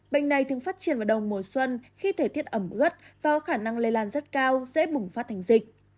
bệnh này thường phát triển vào đầu mùa xuân khi thể tiết ẩm gất và có khả năng lây lan rất cao dễ bùng phát thành dịch